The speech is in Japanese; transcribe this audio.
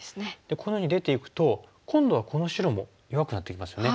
このように出ていくと今度はこの白も弱くなってきますよね。